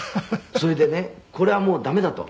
「それでねこれはもう駄目だと」